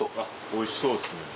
おいしそうっすね。